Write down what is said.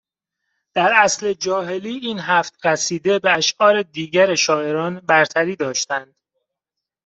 در عصر جاهلی این هفت قصیده به اشعار دیگر شاعران برتری داشتند